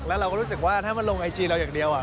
แล้วเราก็รู้สึกว่าถ้ามันลงไอจีเราอย่างเดียว